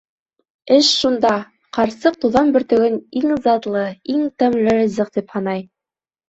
Эш шунда: ҡарсыҡ туҙан бөртөгөн иң затлы, иң тәмле ризыҡ тип һанай.